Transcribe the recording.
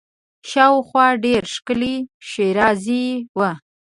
شاوخوا ډېره ښکلې ښېرازي وه.